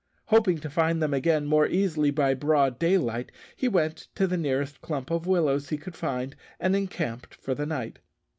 Hoping to find them again more easily by broad daylight, he went to the nearest clump of willows he could find, and encamped for the night.